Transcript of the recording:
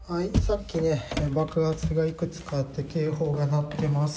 さっきね、爆発がいくつかあって、警報が鳴ってます。